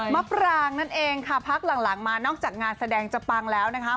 มะปรางนั่นเองค่ะพักหลังมานอกจากงานแสดงจะปังแล้วนะคะ